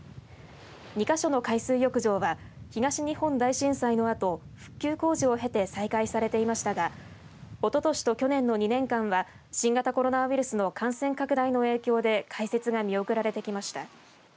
２か所の海水浴場は東日本大震災のあと復旧工事を経て再開されていましたがおととしと去年の２年間は新型コロナウイルスの感染拡大の影響で開設が見送られてきました。